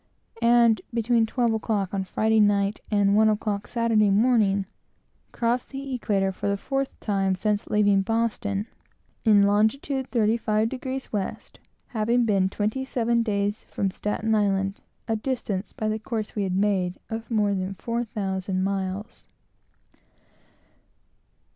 and between twelve o'clock Friday night and one o'clock Saturday morning, crossed the equator, for the fourth time since leaving Boston, in long. 35° W.; having been twenty seven days from Staten Land a distance, by the courses we had made, of more than four thousand miles.